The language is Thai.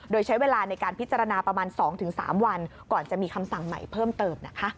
โดยใช้เวลาในการพิจารณาประมาณ๒๓วันก่อนจะมีคำสั่งใหม่เพิ่มเติมนะคะ